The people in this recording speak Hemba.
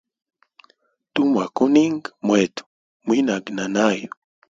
Tumwa kuninga mwetu mwinage na nayu.